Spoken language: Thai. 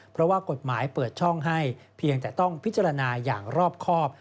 เพราะว่ากฎหมายเปิดช่องให้เพียงแต่ต้องพิจารณาอย่างรอบครอบ